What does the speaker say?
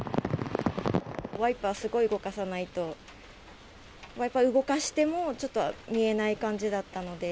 ワイパーすごい動かさないと、ワイパー動かしても、ちょっと見えない感じだったので。